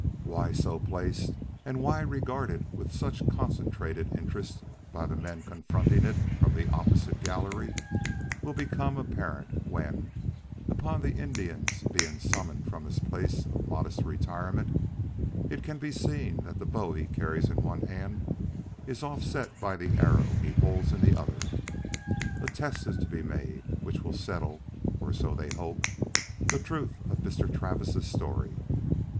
Why so placed, and why regarded with such concentrated interest by the men confronting it from the opposite gallery, will become apparent when, upon the Indian's being summoned from his place of modest retirement, it can be seen that the bow he carries in one hand is offset by the arrow he holds in the other. A test is to be made which will settle, or so they hope, the truth of Mr. Travis' story.